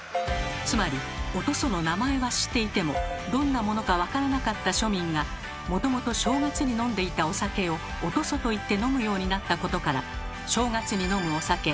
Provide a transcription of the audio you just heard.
つまり「お屠蘇」の名前は知っていてもどんなものか分からなかった庶民がもともと正月に飲んでいたお酒を「お屠蘇」と言って飲むようになったことから正月に飲むお酒